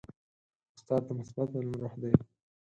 استاد د مثبت بدلون روح دی.